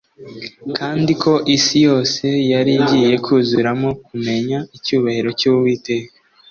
kandi ko isi yose yari igiye kuzuramo kumenya icyubahiro cy'Uwiteka.